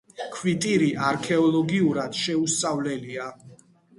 ქვიტირი არქეოლოგიურად შეუსწავლელია.